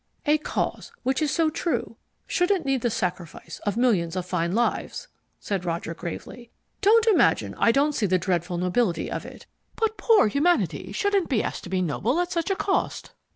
"A cause which is so true shouldn't need the sacrifice of millions of fine lives," said Roger gravely. "Don't imagine I don't see the dreadful nobility of it. But poor humanity shouldn't be asked to be noble at such a cost.